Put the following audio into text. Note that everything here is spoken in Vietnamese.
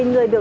để như sau